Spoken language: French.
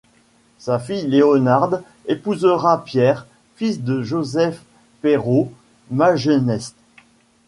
Sa fille Léonarde épousera Pierre, fils du Joseph Peyrot Magenest.